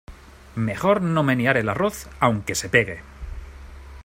Mejor no menear el arroz aunque se pegue.